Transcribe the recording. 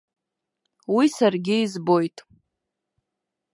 Уи саргьы избоит!